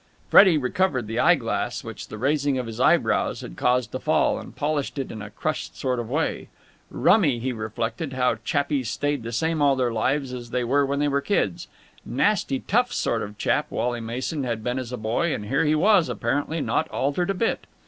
Freddie recovered the eye glass which the raising of his eyebrows had caused to fall, and polished it in a crushed sort of way. Rummy, he reflected, how chappies stayed the same all their lives as they were when they were kids. Nasty, tough sort of chap Wally Mason had been as a boy, and here he was, apparently, not altered a bit.